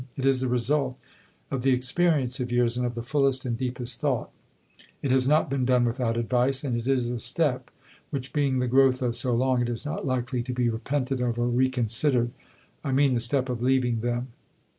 It is the result of the experience of years and of the fullest and deepest thought; it has not been done without advice, and it is a step, which, being the growth of so long, is not likely to be repented of or reconsidered. I mean the step of leaving them.